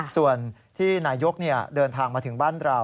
ส่วนที่นายกเดินทางมาถึงบ้านเรา